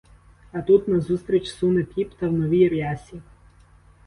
А тут назустріч суне піп, та в новій рясі.